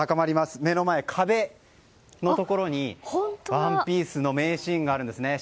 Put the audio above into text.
目の前、壁のところに「ＯＮＥＰＩＥＣＥ」の名シーンがあるんですね。